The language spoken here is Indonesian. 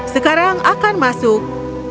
sekarang akan masuk